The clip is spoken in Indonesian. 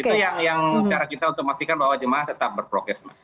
itu yang cara kita untuk memastikan bahwa jemaah tetap berprokes